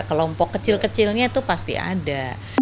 kelompok kecil kecilnya itu pasti ada